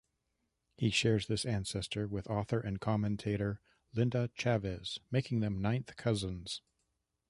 He shares this ancestor with author and commentator Linda Chavez, making them ninth cousins.